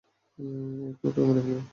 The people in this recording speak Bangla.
ওই কুকুরটাকে মেরে ফেলব।